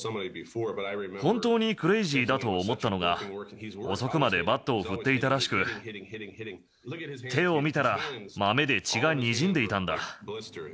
本当にクレイジーだと思ったのが、遅くまでバットを振っていたらしく、手を見たら、まめで血がにじんでいたんだ。